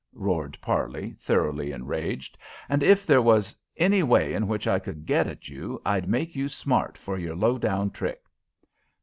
roared Parley, thoroughly enraged. "And if there was any way in which I could get at you, I'd make you smart for your low down trick!"